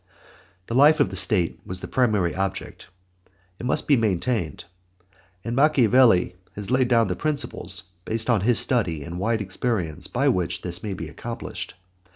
The life of the State was the primary object. It must be maintained. And Machiavelli has laid down the principles, based upon his study and wide experience, by which this may be accomplished.